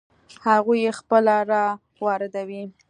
هغوی یې خپله را واردوي.